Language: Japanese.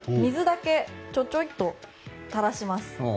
これを今度、水だけちょちょいと垂らします。